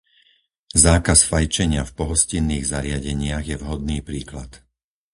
Zákaz fajčenia v pohostinných zariadeniach je vhodný príklad.